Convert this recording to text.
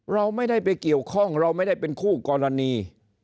เราไม่ได้ไปเกี่ยวข้องเราไม่ได้เป็นคู่กรณี